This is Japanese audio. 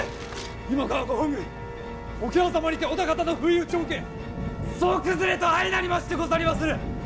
今川ご本軍桶狭間にて織田方の不意打ちを受け総崩れと相なりましてござりまする！